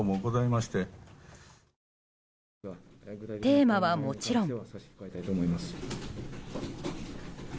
テーマは、もちろん。